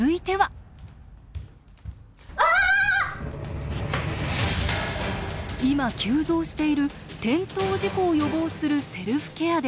今急増している転倒事故を予防するセルフケアです。